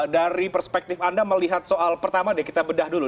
dari perspektif anda melihat soal pertama deh kita bedah dulu